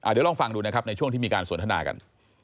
เดี๋ยวลองฟังดูนะครับในช่วงที่มีการสนทนากัน